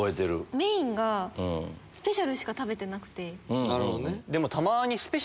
メインがスペシャルメニューしか食べてなくて。